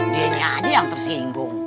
dianya aja yang tersinggung